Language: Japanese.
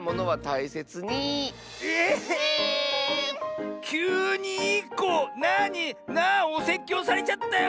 おせっきょうされちゃったよ